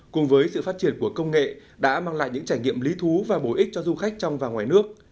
cùng với sự phát triển của công nghệ đã mang lại những trải nghiệm lý thú và bổ ích cho du khách trong và ngoài nước